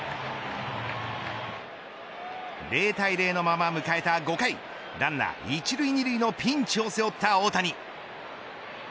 ０対０のまま迎えた５回ランナー１塁２塁のピンチを背負った大谷。